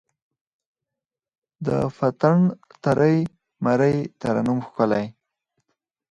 د پتڼ ترۍ، مرۍ ترنم ښکلی